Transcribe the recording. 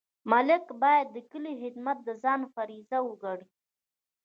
ملک باید د کلي خدمت د ځان فریضه وګڼي.